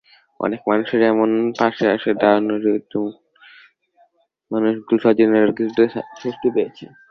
অনেক মানুষের এমন পাশে এসে দাঁড়ানোয় দরিদ্র মানুষগুলোর স্বজনেরা কিছুটা স্বস্তি পেয়েছে।